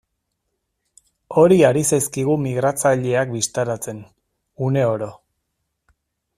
Hori ari zaizkigu migratzaileak bistaratzen, uneoro.